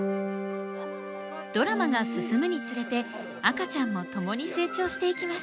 ドラマが進むにつれて赤ちゃんも共に成長していきます。